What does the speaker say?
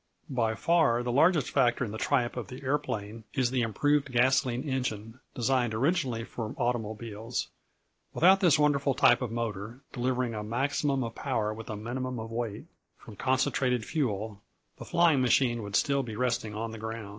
By far the largest factor in the triumph of the aeroplane is the improved gasoline engine, designed originally for automobiles. Without this wonderful type of motor, delivering a maximum of power with a minimum of weight, from concentrated fuel, the flying machine would still be resting on the earth.